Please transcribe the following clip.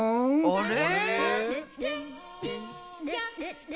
あれ？